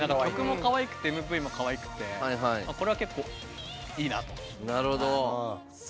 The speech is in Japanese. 曲もかわいくてＭＶもかわいくてこれは結構いいなと。